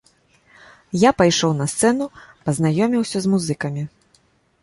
Я пайшоў на сцэну, пазнаёміўся з музыкамі.